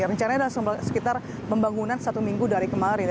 rencananya adalah sekitar pembangunan satu minggu dari kemarin